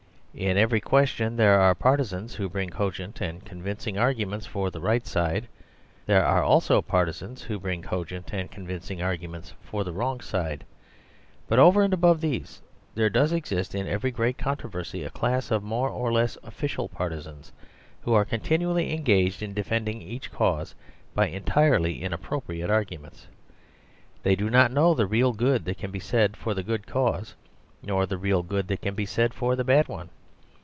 In every question there are partisans who bring cogent and convincing arguments for the right side; there are also partisans who bring cogent and convincing arguments for the wrong side. But over and above these, there does exist in every great controversy a class of more or less official partisans who are continually engaged in defending each cause by entirely inappropriate arguments. They do not know the real good that can be said for the good cause, nor the real good that can be said for the bad one.